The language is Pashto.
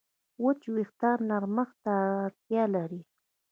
وچ وېښتيان نرمښت ته اړتیا لري.